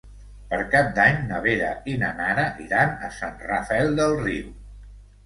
Per Cap d'Any na Vera i na Nara iran a Sant Rafel del Riu.